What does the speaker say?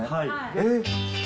えっ。